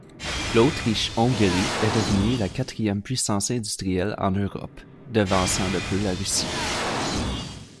L'Autriche-Hongrie est devenue la quatrième puissance industrielle en Europe, devançant de peu la Russie.